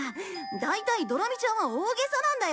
大体ドラミちゃんは大げさなんだよ。